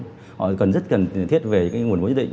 họ cần rất cần thiết về nguồn vốn nhất định